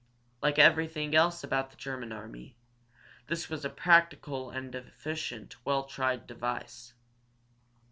Like everything else about the German army, this was a practical and efficient, well tried device.